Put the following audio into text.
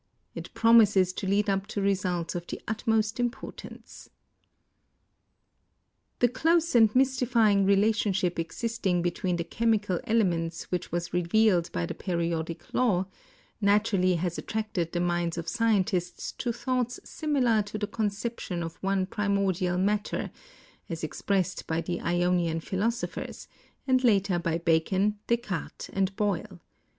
It promises to lead up to results of the utmost importance. The close and mystifying relationship existing between the chemical elements which was revealed by the Periodic Law, naturally has attracted the minds of scientists to thoughts similar to the conception of one primordial mat ter as expressed by the Ionian philosophers, and later by Bacon, Descartes and Boyle.